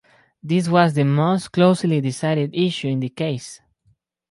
This was the most closely decided issue in the case.